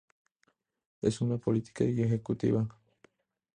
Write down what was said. Es una política y ejecutiva.